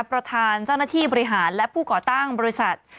ประธานเจ้าหน้าที่บริหารและผู้ก่อตั้งบริษัท